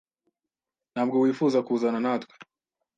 Ntabwo wifuza kuzana natwe?